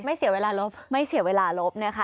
เสียเวลาลบไม่เสียเวลาลบนะคะ